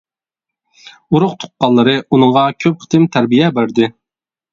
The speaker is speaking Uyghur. ئۇرۇق-تۇغقانلىرى ئۇنىڭغا كۆپ قېتىم تەربىيە بەردى.